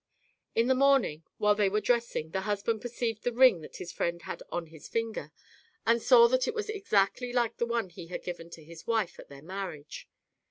In the morning, while they were dressing, the husband perceived the ring that his friend had on his finger, and saw that it was exactly like the one he had given to his wife at their marriage.